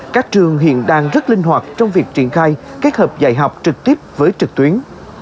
các trường hiện đang rất linh hoạt trong việc triển khai kết hợp dạy học trực tiếp với trực tuyến